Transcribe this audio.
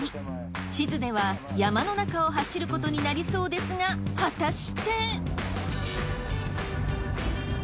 地図では山の中を走ることになりそうですが果たして。